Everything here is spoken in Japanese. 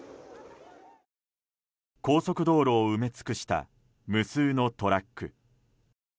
高速道路を埋め尽くした無数のトラック。